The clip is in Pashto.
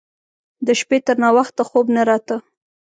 د شپې تر ناوخته خوب نه راته.